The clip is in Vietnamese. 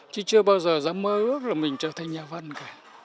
chứ chưa bao giờ dám mơ ước là mình trở thành nhà văn cả